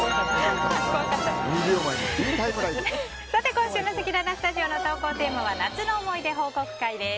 今週のせきららスタジオの投稿テーマは夏の思い出報告会です。